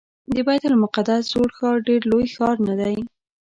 د بیت المقدس زوړ ښار ډېر لوی ښار نه دی.